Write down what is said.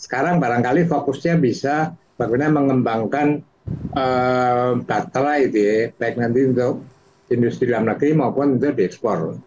sekarang barangkali fokusnya bisa bagaimana mengembangkan batalai baik nanti untuk industri dalam negeri maupun untuk dekspor